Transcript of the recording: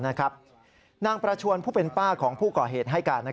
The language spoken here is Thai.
นางประชวนผู้เป็นป้าของผู้ก่อเหตุให้การ